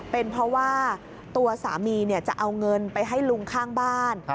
เป็นเพราะว่าตัวสามีจะเอาเงินไปให้ลุงข้างบ้าน